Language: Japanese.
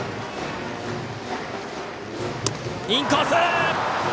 インコース！